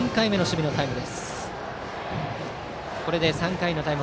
３回目の守備のタイム。